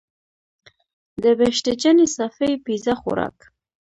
د بهشته جانې صافی پیزا خوراک.